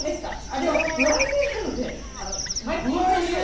でも歩合制なので毎月。